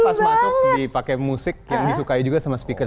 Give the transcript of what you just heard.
pas masuk dipake musik yang disukai juga sama speaker